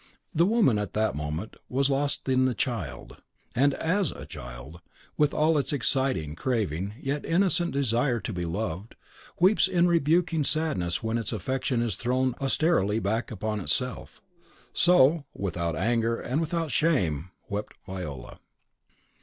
The woman at that moment was lost in the child; and AS a child, with all its exacting, craving, yet innocent desire to be loved, weeps in unrebuking sadness when its affection is thrown austerely back upon itself, so, without anger and without shame, wept Viola.